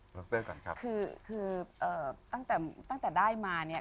รัสเตอร์ก่อนครับคือคือเอ่อตั้งแต่ตั้งแต่ได้มาเนี้ย